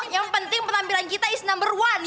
yang penting penampilan kita is number one